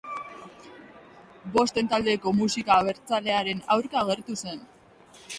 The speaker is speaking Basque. Bosten Taldeko musika abertzalearen aurka agertu zen.